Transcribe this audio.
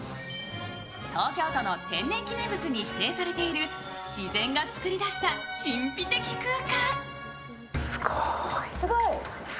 東京都の天然記念物に指定されている自然が作り出した神秘的空間。